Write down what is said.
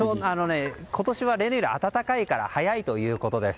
今年は例年より暖かいから早いということです。